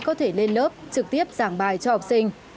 có thể lên lớp trực tiếp giảng bài cho học sinh